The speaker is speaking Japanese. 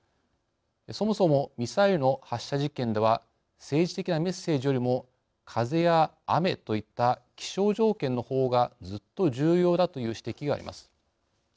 そもそもミサイルの発射実験では政治的なメッセージよりも風や雨といった気象条件のほうがずっと重要だという指摘があります。